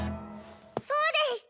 そうです！